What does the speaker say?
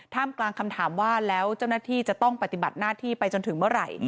กลางคำถามว่าแล้วเจ้าหน้าที่จะต้องปฏิบัติหน้าที่ไปจนถึงเมื่อไหร่